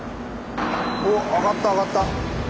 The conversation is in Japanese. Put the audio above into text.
おっ上がった上がった！